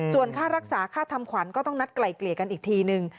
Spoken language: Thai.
ส่วนค่ารักษาค่าทำขวัญก็ต้องนัดไกล่เกลี่ยกันอีกทีนึง